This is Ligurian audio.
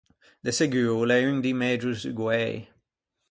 De seguo o l’é un di megio zugoei.